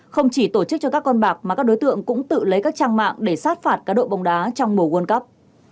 không chỉ tổ chức cho các con bạc mà các đối tượng cũng tự lấy các trang mạng để sát phạt các đội bóng đá trong mùa world cup